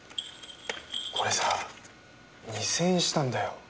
これさ２０００円したんだよ。